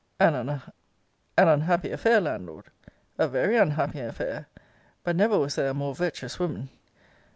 An unhappy affair, Landlord! A very unhappy affair! But never was there a more virtuous woman.